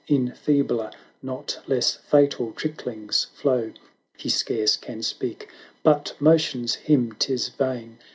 In feebler, not less fatal tricklings flow: He scarce can speak, but motions him 'tis vain.